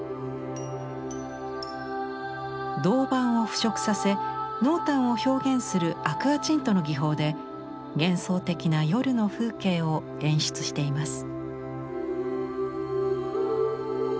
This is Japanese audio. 銅板を腐食させ濃淡を表現するアクアチントの技法で幻想的な夜の風景を演出しています。